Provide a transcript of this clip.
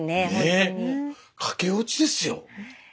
ね駆け落ちですよ。